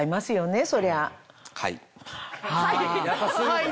「はい」。